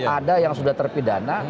ada yang sudah terpidana